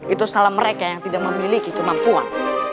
itu salah mereka yang tidak memiliki kemampuan